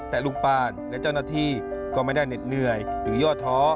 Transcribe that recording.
แต่ลุงปานและเจ้าหน้าที่ก็ไม่ได้เหน็ดเหนื่อยหรือย่อท้อ